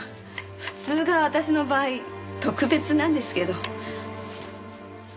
普通が私の場合特別なんですけど。